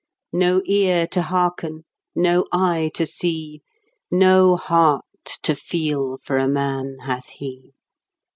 No ear to hearken, no eye to see, No heart to feel for a man hath he.